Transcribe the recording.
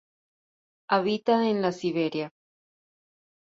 Habita en la Siberia.